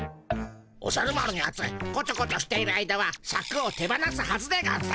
おじゃる丸のやつこちょこちょしている間はシャクを手放すはずでゴンス。